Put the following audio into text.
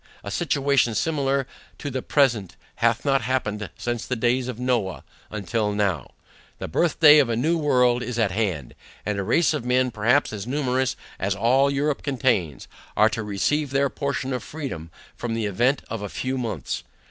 A situation, similar to the present, hath not happened since the days of Noah until now. The birthday of a new world is at hand, and a race of men, perhaps as numerous as all Europe contains, are to receive their portion of freedom from the event of a few months.